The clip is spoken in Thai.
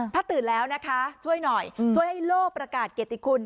ถ้าตื่นแล้วนะคะช่วยหน่อยช่วยให้โลกประกาศเกติคุณ